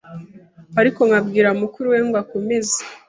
ariko nkabwia mukuru we ngo akomeze